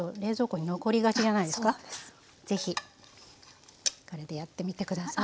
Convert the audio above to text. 是非これでやってみて下さい。